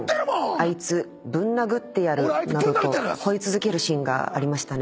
「あいつぶん殴ってやる」などと吠え続けるシーンがありましたね。